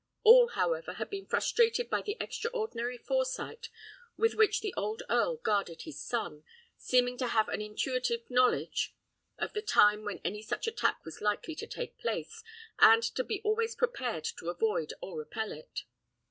All, however, had been frustrated by the extraordinary foresight with which the old earl guarded his son, seeming to have an intuitive knowledge of the time when any such attack was likely to take place, and to be always prepared to avoid or repel it.